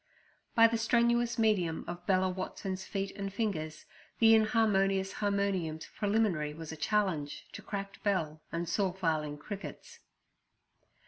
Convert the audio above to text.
By the strenuous medium of Bella Watson's feet and fingers, the inharmonious harmonium's preliminary was a challenge to cracked bell and saw filing crickets.